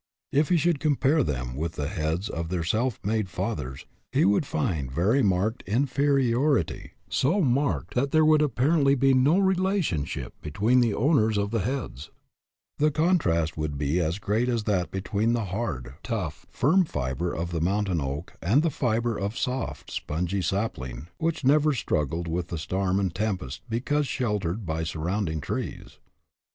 If he should compare them with the heads of their self made fathers, he would find very marked inferiority, so marked that there would 214 DOES THE WORLD OWE YOU,? apparently be no relationship between the own ers of the heads. The contrast would be as great as that between the hard, tough, firm fiber of the mountain oak and the fiber of the soft, spongy sapling which never struggled with the storm and tempest because sheltered by surrounding trees.